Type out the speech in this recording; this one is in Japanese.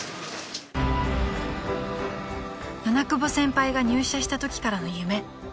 ［七久保先輩が入社したときからの夢］